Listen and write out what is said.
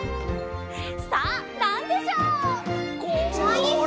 さあなんでしょう？